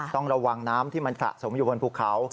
ต้องระวังน้ำที่มันสะสมอยู่บนภูเขา